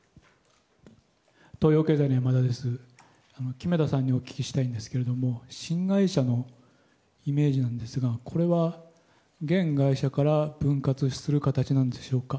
木目田さんにお聞きしたいんですが新会社のイメージなんですがこれは現会社から分割する形なんでしょうか。